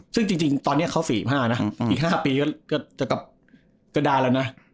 ซึ่งจริงตอนนี้เขา๔๕นะอีก๕ปีก็จะกลับกระดานแล้วนะ